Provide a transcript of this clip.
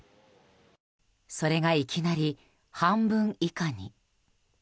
それが、いきなり半分以下に。